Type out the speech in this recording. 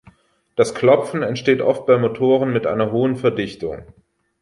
Das Klopfen entsteht oft bei Motoren mit einer hohen Verdichtung.